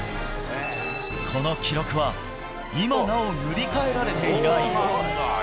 この記録は、今なお塗り替えられていない。